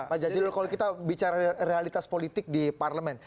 pak jazilul kalau kita bicara realitas politik di parlemen